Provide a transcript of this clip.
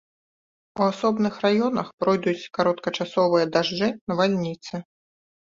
У асобных раёнах пройдуць кароткачасовыя дажджы, навальніцы.